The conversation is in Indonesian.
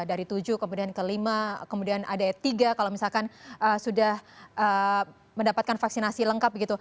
dari tujuh kemudian ke lima kemudian ada tiga kalau misalkan sudah mendapatkan vaksinasi lengkap begitu